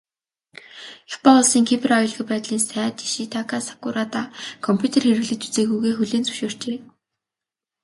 Япон улсын Кибер аюулгүй байдлын сайд Ёшитака Сакурада компьютер хэрэглэж үзээгүйгээ хүлээн зөвшөөрчээ.